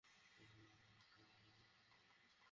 ওনাকে একটা সুযোগ দেওয়া যাক।